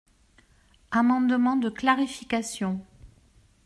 Amendement de clarification.